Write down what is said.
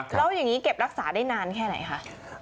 แล้วอย่างนี้เก็บรักษาได้นานแค่ไหนคะ